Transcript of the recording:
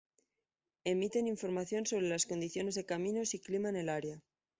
Emiten información sobre las condiciones de caminos y clima en el área.